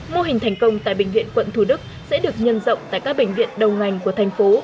mô hình thành công tại bệnh viện quận thủ đức sẽ được nhân rộng tại các bệnh viện đầu ngành của thành phố